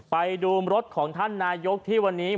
ไปดูรถของท่านนายกที่วันนี้